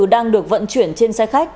đang được vận chuyển trên xe khách